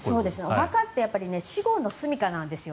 お墓って死後のすみかなんですよ。